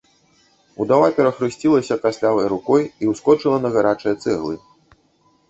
Удава перахрысцілася кастлявай рукой і ўскочыла на гарачыя цэглы.